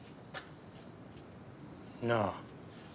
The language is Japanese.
なあ。